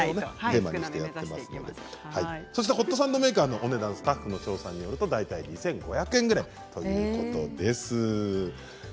そしてホットサンドメーカーのお値段はスタッフの調査によると大体２５００円ぐらいということです。